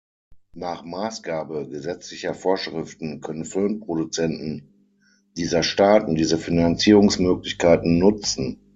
Nach Maßgabe gesetzlicher Vorschriften können Filmproduzenten dieser Staaten diese Finanzierungsmöglichkeiten nutzen.